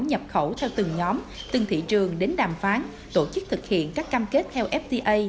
nhập khẩu theo từng nhóm từng thị trường đến đàm phán tổ chức thực hiện các cam kết theo fda